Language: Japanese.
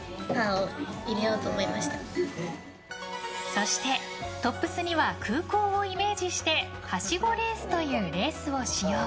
そして、トップスには空港をイメージしてはしごレースというレースを使用。